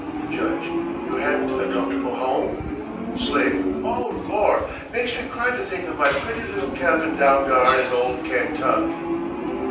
Judge: "You hadn't a comfortable home?" Slave: "Oh, Lor', makes me cry to think of my pretty little cabin down dar in old Kaintuck."